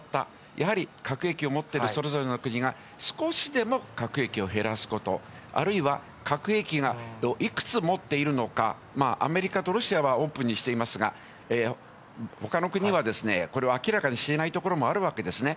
やはり核兵器を持っているそれぞれの国が少しでも核兵器を減らすこと、あるいは核兵器をいくつ持っているのか、アメリカとロシアはオープンにしていますが、ほかの国は、これは明らかにしていないところもあるわけですね。